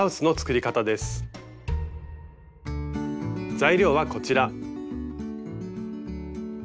材料はこちら。